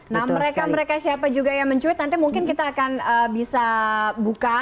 nah mereka mereka siapa juga yang mencuit nanti mungkin kita akan bisa buka